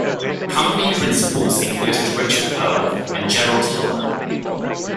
Company principals included Richard Perle and Gerald Hillman.